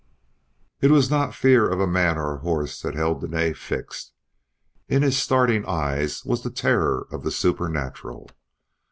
It was not fear of a man or a horse that held Dene fixed; in his starting eyes was the terror of the supernatural.